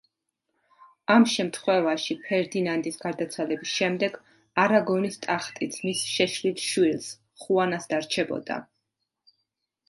ამ შემთხვევაში ფერდინანდის გარდაცვალების შემდეგ არაგონის ტახტიც მის შეშლილ შვილს, ხუანას დარჩებოდა.